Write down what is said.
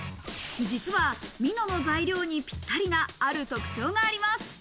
実は蓑の材料にぴったりなある特徴があります。